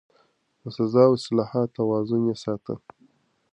د سزا او اصلاح توازن يې ساته.